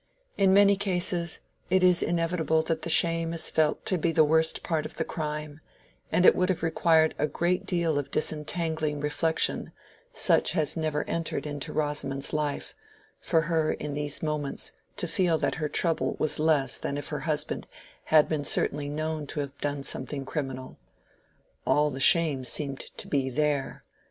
In many cases it is inevitable that the shame is felt to be the worst part of crime; and it would have required a great deal of disentangling reflection, such as had never entered into Rosamond's life, for her in these moments to feel that her trouble was less than if her husband had been certainly known to have done something criminal. All the shame seemed to be there.